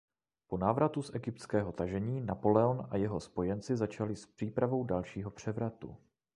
Po návratu z egyptského tažení Napoleon a jeho spojenci začali s přípravou dalšího převratu.